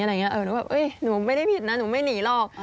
หนูแบบหนูไม่ได้ผิดนะหนูไม่หนีหรอก